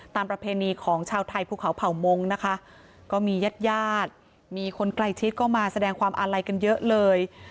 ประเพณีของชาวไทยภูเขาเผ่ามงนะคะก็มีญาติญาติมีคนใกล้ชิดก็มาแสดงความอาลัยกันเยอะเลย